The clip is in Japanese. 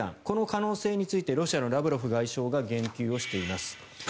この可能性についてロシアのラブロフ外相が言及をしています。